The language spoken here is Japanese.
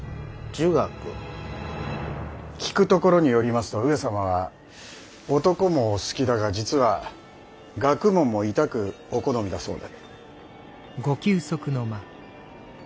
聞くところによりますと上様は男もお好きだが実は学問もいたくお好みだそうで。